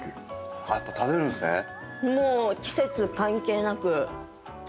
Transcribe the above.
もう季節関係なく？